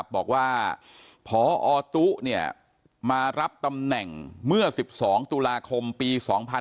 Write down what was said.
บอกว่าพอตุ๊มารับตำแหน่งเมื่อ๑๒ตุลาคมปี๒๕๕๙